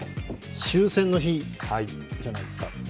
終戦の日じゃないですか。